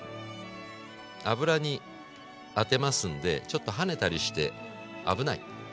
油に当てますんでちょっと跳ねたりして危ない。